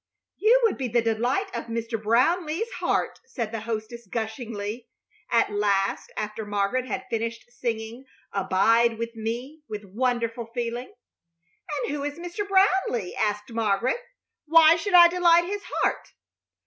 "You would be the delight of Mr. Brownleigh's heart," said the hostess, gushingly, at last, after Margaret had finished singing "Abide With Me" with wonderful feeling. "And who is Mr. Brownleigh?" asked Margaret. "Why should I delight his heart?"